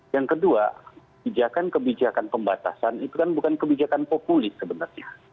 yang kedua kebijakan kebijakan pembatasan itu kan bukan kebijakan populis sebenarnya